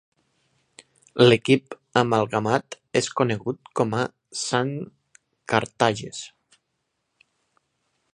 L'equip amalgamat és conegut com a Saint Carthages.